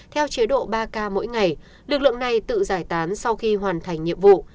theo chế độ ba k mỗi ngày lực lượng này tự giải tán sau khi hoàn thành nhiệm vụ